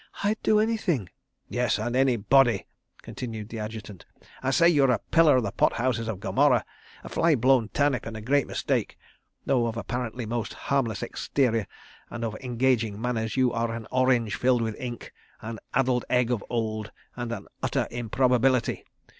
"I'd do anything—" "Yes—and any body," continued the Adjutant. "I say you are a pillar of the pot houses of Gomorrah, a fly blown turnip and a great mistake. Though of apparently most harmless exterior and of engaging manners, you are an orange filled with ink, an addled egg of old, and an Utter Improbability.